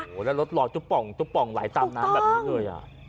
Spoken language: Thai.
โหแล้วรถรอจุ๊บป่องจุ๊บป่องหลายตามน้ำแบบนี้ด้วยอะถูกต้อง